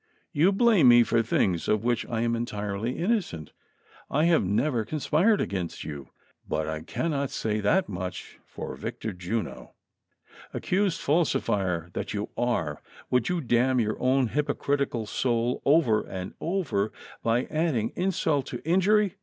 "You blame me for things of which I am entirely inno cent. I have never conspired against you, but I cannot say that much for Victor Juno "— "Accui'sed falsifier that you are ; would yon damn your own hypocritical soul over and over by adding insult to injury?"